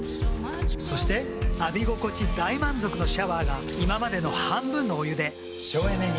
そして浴び心地大満足のシャワーが今までの半分のお湯で省エネに。